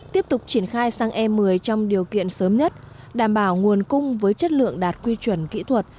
tiếp tục triển khai sang e một mươi trong điều kiện sớm nhất đảm bảo nguồn cung với chất lượng đạt quy chuẩn kỹ thuật